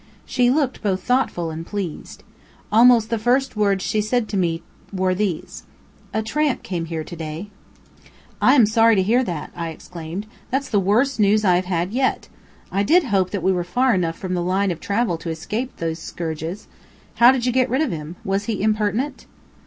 She looked both thoughtful and pleased. Almost the first words she said to me were these: "A tramp came here to day." "I am sorry to hear that," I exclaimed. "That's the worst news I have had yet. I did hope that we were far enough from the line of travel to escape these scourges. How did you get rid of him? Was he impertinent?"